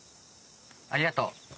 ありがとう。